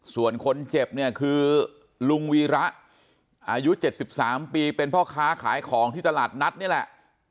ส่วนคนเจ็บเนี่ยคือลุงวีระอายุ๗๓ปีเป็นพ่อค้าขายของที่ตลาดนัดนี่แหละ